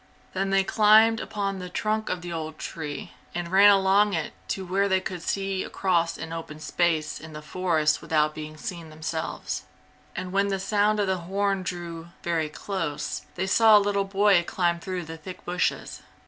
Then they climbed upon the trunk of the tree and ran along it to where they could see across an open space in the forest without being seen themselves. And when the sound of the horn drew very close, they saw a little boy climb through the thick bushes.